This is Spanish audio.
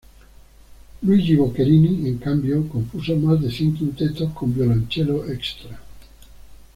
Luigi Boccherini, en cambio, compuso más de cien quintetos con violonchelo extra.